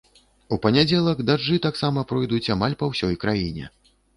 У панядзелак дажджы таксама пройдуць амаль па ўсёй краіне.